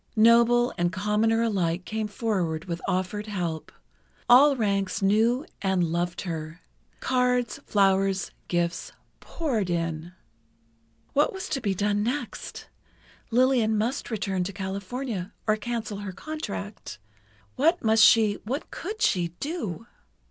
Noble and commoner alike came forward with offered help—all ranks knew and loved her. Cards, flowers, gifts, poured in. What was to be done next? Lillian must return to California, or cancel her contract. What must she—what could she—do?